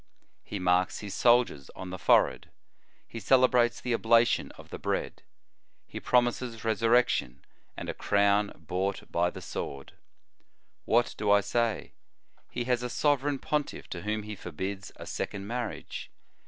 He marks his soldiers on the forehead. He celebrates the oblation of the bread. He promises resurrection, and a crown bought by the sword. "What do I say? He has a sovereign pontiff to whom he forbids a second marriage.